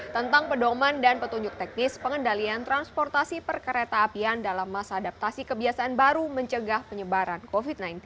tentang pedoman dan petunjuk teknis pengendalian transportasi perkereta apian dalam masa adaptasi kebiasaan baru mencegah penyebaran covid sembilan belas